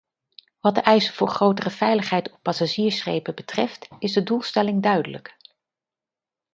Wat de eisen voor grotere veiligheid op passagiersschepen betreft, is de doelstelling duidelijk.